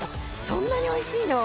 そんなにおいしいの？